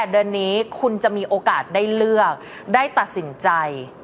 เดือนนี้คุณจะมีโอกาสได้เลือกได้ตัดสินใจ